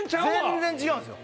全然違うんですよ。